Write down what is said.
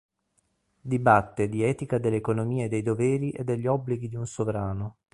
Dibatte di etica dell'economia e dei doveri e degli obblighi di un sovrano.